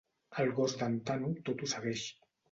El gos d'en Tano tot ho segueix.